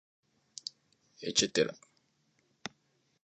ect